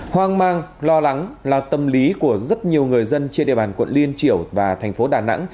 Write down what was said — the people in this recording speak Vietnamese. hoang mang lo lắng là tâm lý của rất nhiều người dân trên địa bàn quận liên triểu và thành phố đà nẵng